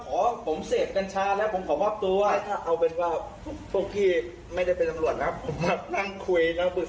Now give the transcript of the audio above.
หนังคุยนั่งปรึกษากับพวกพี่ก็ได้